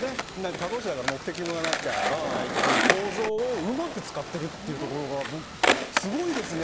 他動詞だから目的語がなければいけないという構造をうまく使っているというところがすごいですね。